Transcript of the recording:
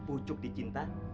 ucuk dicinta ulang tiba